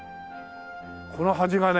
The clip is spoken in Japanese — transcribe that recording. この端がね